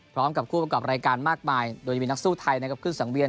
พร้อมกับผู้ประกอบรายการมากมายโดยมีนักสู้ไทยนะครับขึ้นสังเวียน